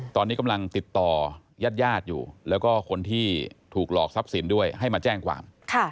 ตอนนี้กำลังติดต่อยาดอยู่แล้วก็คนที่ถูกหลอกทรัพย์สินด้วยให้มาแจ้งความ